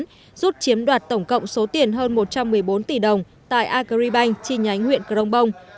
rút chiếm đoạt tổng cộng số tiền hơn một trăm một mươi bốn tỷ đồng tại agribank chi nhánh huyện crong bông